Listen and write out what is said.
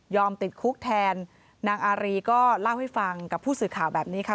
ติดคุกแทนนางอารีก็เล่าให้ฟังกับผู้สื่อข่าวแบบนี้ค่ะ